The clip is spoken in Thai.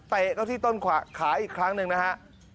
เตะเข้าที่ต้นขาอีกครั้งหนึ่งนะครับ